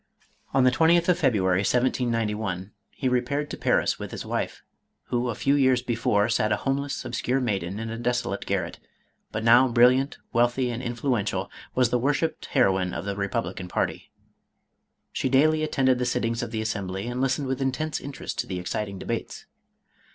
On the. 20th of February 1791, he repaired to Paris with his wife, who a few years before sat a home less obscure maiden in a desolate garret, but now bril liant, wealthy, and influential, was the worshipped heroine of the republican party. She daily attended the sittings of the Assembly and listened with intense interest to the exciting debates.